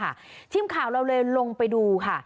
ช่างนั่นแหละค่ะทีมข่าวเราเลยลงไปดูค่ะ